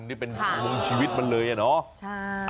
นี่เป็นวงชีวิตมันเลยอะเนาะ